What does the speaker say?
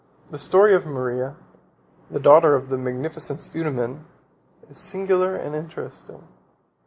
The story of Maria, the daughter of the magnificent Eudaemon, is singular and interesting.